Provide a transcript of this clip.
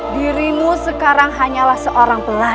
dirimu sekarang hanyalah seorang pelatih